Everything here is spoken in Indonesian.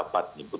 kepapse kack agung